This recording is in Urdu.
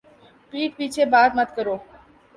پِیٹھ پیچھے بات مت کرو